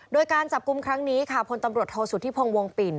โดยการจับกลุ่มครั้งนี้ค่ะพลตำรวจโทษสุธิพงศ์วงปิ่น